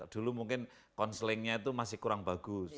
dulu mungkin counselingnya itu masih kurang bagus